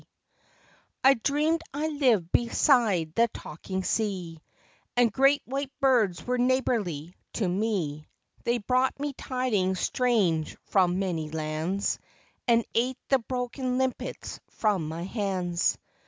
I dreamed I lived beside the talking sea, And great white birds were neighborly to me ; They brought me tidings strange from many lands, And ate the broken limpets from my hands.